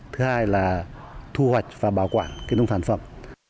thứ hai là thu hoạch và bảo quản nông sản phẩm